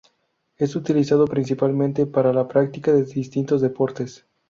Es utilizado principalmente para la práctica de distintos deportes.